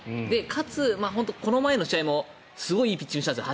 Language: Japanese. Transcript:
かつ、この前の試合もすごくいいピッチングをしたんです。